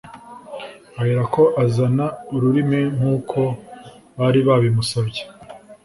ahera ko azana ururimi nk'uko bari babimusabye